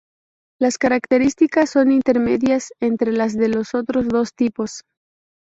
Las características son intermedias entre las de los otros dos tipos.